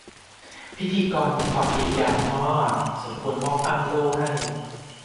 พิธีกรมีความพยายามมาก สมควรมอบอังโล่ให้